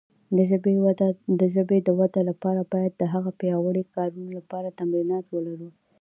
د ژبې د وده لپاره باید د هغه د پیاوړې کارونې لپاره تمرینات ولرو.